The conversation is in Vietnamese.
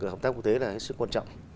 hợp tác quốc tế là hết sức quan trọng